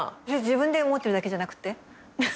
自分で思ってるだけじゃなくて？